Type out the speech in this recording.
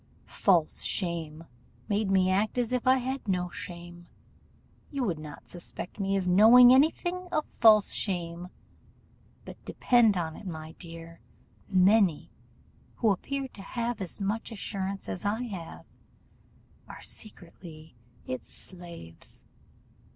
False shame made me act as if I had no shame. You would not suspect me of knowing any thing of false shame, but depend upon it, my dear, many, who appear to have as much assurance as I have, are secretly its slaves.